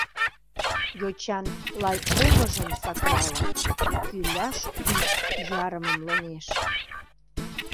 йочан лай омыжым саклалын, кӱляш ӱп ярымым лоҥеш.